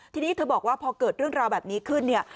ทีนี้เธอบอกว่าพอเกิดเรื่องราวแบบนี้ขึ้นเนี่ย